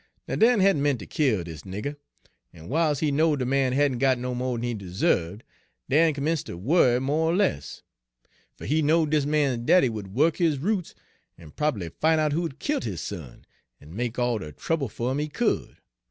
"Now, Dan hadn' meant ter kill dis nigger, en w'iles he knowed de man hadn' got no mo' d'n he deserved, Dan 'mence' ter worry mo' er less. Fer he knowed dis man's daddy would wuk his roots en prob'ly fin' out who had killt 'is son, en make all de trouble fer'im Page 173 he could.